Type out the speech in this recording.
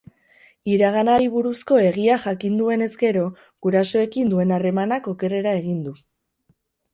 Iraganari buruzko egia jakin duenez gero, gurasoekin duen harremanak okerrera egin du.